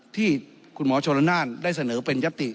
ที่คุณหมอชนละนานได้เสนอเป็นยติ